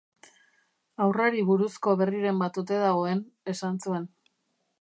Haurrari buruzko berriren bat ote dagoen, esan zuen.